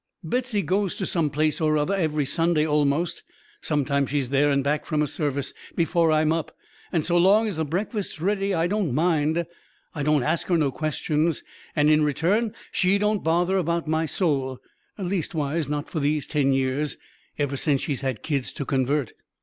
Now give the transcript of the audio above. "Betsy goes to some place or other every Sunday almost; sometimes she's there and back from a service before I'm up, and so long as the breakfast's ready I don't mind. I don't ask her no questions, and in return she don't bother about my soul leastways, not for these ten years, ever since she's had kids to convert.